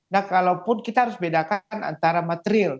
nah kalaupun kita harus bedakan antara material